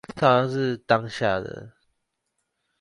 簡報資料